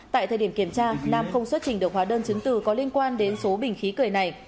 tại thời điểm kiểm tra nam không xuất trình được hóa đơn chứng từ có liên quan đến số bình khí cười này